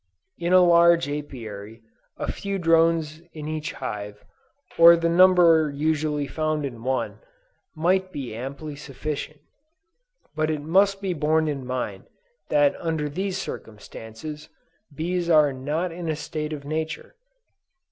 In a large Apiary, a few drones in each hive, or the number usually found in one, might be amply sufficient. But it must be borne in mind, that under these circumstances, bees are not in a state of nature.